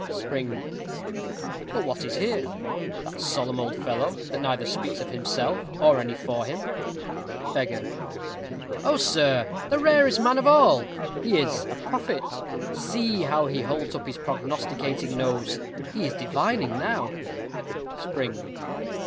Spring. But what is here that solemn old fellow, that neither speaks of himself, or any for him? Beggar. O, sir, the rarest man of all: he is a prophet. See how he holds up his prognosticating nose. He is divining now. _Spring.